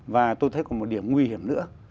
và tôi thấy có một điểm nguy hiểm nữa